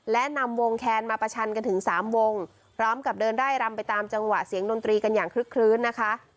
และนำวงแคนมาประชันกันถึงสามวงพร้อมกับเดินไล่รำไปตามจังหวะเสียงดนตรีกันอย่างคลึกคลื้นนะคะ